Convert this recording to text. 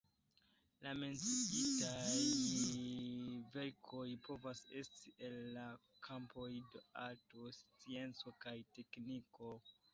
La menciitaj verkoj povas esti el la kampoj de arto, scienco kaj tekniko.